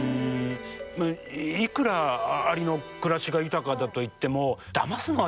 いくらアリの暮らしが豊かだといってもだますのはでもどうなのかな？